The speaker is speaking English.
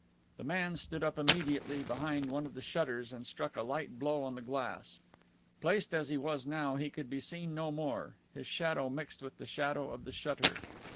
The man stood up immediately behind one of the shutters and struck a light blow on the glass. Placed as he was now he could be seen no more. His shadow mixed with the shadow of the shutter.